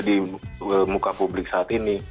di muka publik saat ini